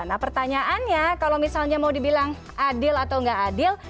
nah pertanyaannya kalau misalnya mau dibilang adil atau nggak adil